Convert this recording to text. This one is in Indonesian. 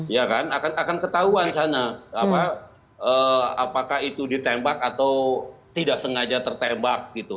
ya kan akan ketahuan sana apakah itu ditembak atau tidak sengaja tertembak gitu